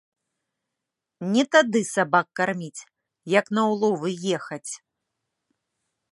Не тады сабак карміць, як на ўловы ехаць